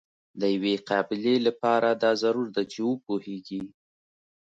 د یوې قابلې لپاره دا ضرور ده چې وپوهیږي.